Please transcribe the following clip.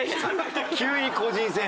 急に個人戦！